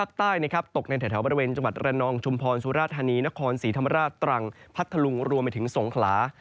ใต้นะครับตกในแถวบริเวณจังหวัดระนองชุมพรสุราธานีนครศรีธรรมราชตรังพัทธลุงรวมไปถึงสงขลา